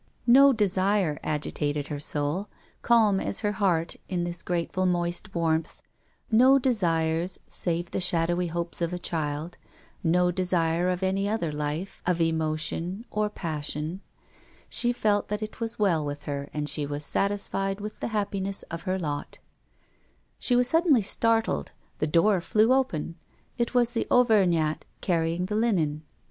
No desire agitated her soul, calm as her heart in this grateful moist warmth, no desires save the shadowy hopes of a child, no desire of any other life, of emotion, or passion. She felt that it was well with her, and she was satisfied with the happiness of her lot. She was suddenly startled the door flew open; it was the Auvergnat carrying the linen.